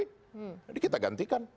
jadi kita gantikan